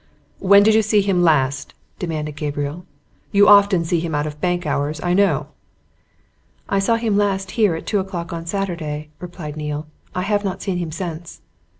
"When did you see him last?" demanded Gabriel. "You often see him out of bank hours, I know." "I last saw him here at two o'clock on Saturday," replied Neale. "I have not seen him since."